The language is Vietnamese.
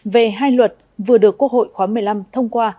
về hai luật vừa được quốc hội khóa một mươi năm thông qua